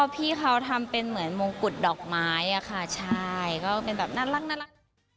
พี่เขาทำเป็นเหมือนมงกุฎดอกไม้อะค่ะใช่ก็เป็นแบบน่ารัก